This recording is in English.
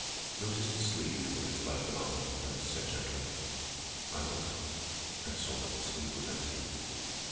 "Notice the sleeve of his left arm," Ernest said gently. I looked, and saw that the sleeve was empty.